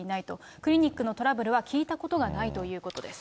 クリニックのトラブルは聞いたことがないということです。